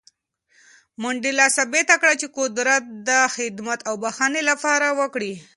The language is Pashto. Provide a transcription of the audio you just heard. منډېلا ثابته کړه چې قدرت د خدمت او بښنې لپاره وي.